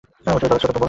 জলের স্রোতও প্রবল।